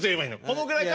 このぐらいか？